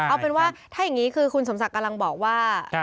เอาเป็นว่าถ้าอย่างนี้คือคุณสมศักดิ์กำลังบอกว่า